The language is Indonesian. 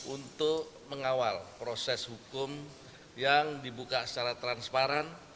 untuk mengawal proses hukum yang dibuka secara transparan